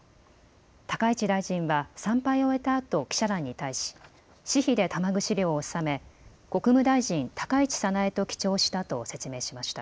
高市大臣は参拝を終えたあと記者団に対し私費で玉串料を納め国務大臣高市早苗と記帳したと説明しました。